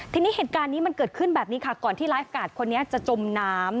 ทีนี้เหตุการณ์นี้มันเกิดขึ้นแบบนี้ค่ะก่อนที่ไลฟ์การ์ดคนนี้จะจมน้ำ